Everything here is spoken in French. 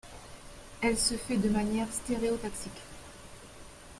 Elle se fait de manière stéréotaxique.